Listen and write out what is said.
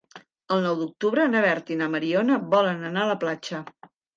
El nou d'octubre na Berta i na Mariona volen anar a la platja.